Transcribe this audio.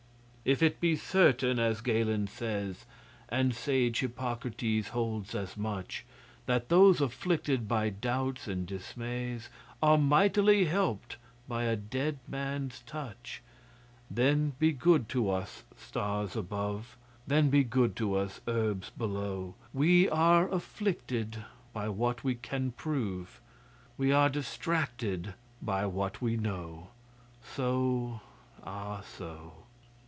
If it be certain, as Galen says, And sage Hippocrates holds as much 'That those afflicted by doubts and dismays Are mightily helped by a dead man's touch,' Then, be good to us, stars above! Then, be good to us, herbs below! We are afflicted by what we can prove; We are distracted by what we know So ah, so!